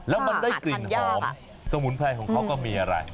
แล้วมันได้กลิ่นหอมสมุนไพรของเขาก็มีอะไร